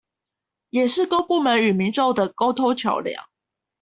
也是公部門與民眾的溝通橋樑